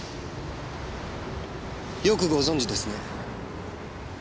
よくご存じですね。